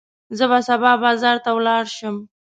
زه به سبا بازار ته ولاړ شم.